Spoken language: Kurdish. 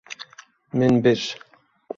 Min bir.